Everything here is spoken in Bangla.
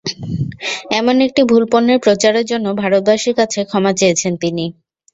এমন একটি ভুল পণ্যের প্রচারের জন্য ভারতবাসীর কাছে ক্ষমা চেয়েছেন তিনি।